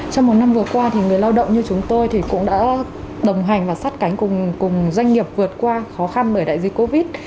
trong một năm vừa qua người lao động như chúng tôi cũng đã đồng hành và sát cánh cùng doanh nghiệp vượt qua khó khăn bởi đại dịch covid